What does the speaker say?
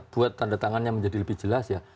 buat tanda tangannya menjadi lebih jelas ya